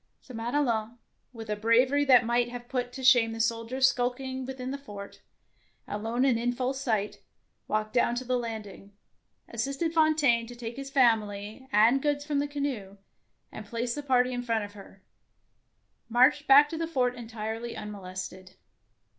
So Madelon, with a bravery that might have put to shame the soldiers skulking within the fort, alone and in full sight, walked down to the landing, assisted Fontaine to take his family 111 DEEDS OF DAEING and goods from the canoe, and placing the party in front of her, marched back to the fort entirely unmolested.